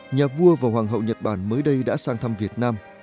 nhà vua và hoàng hậu nhật bản mới đây đã sang thăm việt nam